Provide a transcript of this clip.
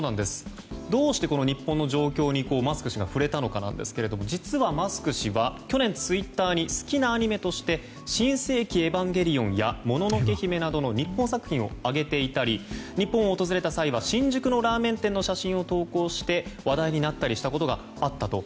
どうして日本の状況にマスク氏が触れたのかなんですが実はマスク氏は去年ツイッターに好きなアニメとして「新世紀エヴァンゲリオン」や「もののけ姫」などの日本作品を挙げていたり日本を訪れた際には新宿のラーメン店の写真を投稿して話題になったりしたことがあったと。